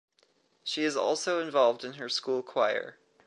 She is also involved in her school choir.